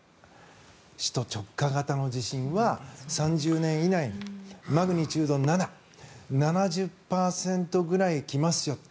首都直下型の地震は３０年以内にマグニチュード７７０％ぐらい来ますよと。